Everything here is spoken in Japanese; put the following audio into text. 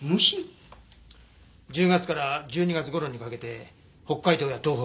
１０月から１２月頃にかけて北海道や東北